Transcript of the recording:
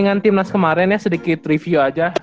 dengan timnas kemarin ya sedikit review aja